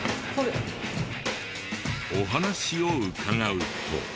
お話を伺うと。